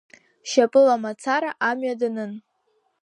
Шьапыла мацара амҩа данын.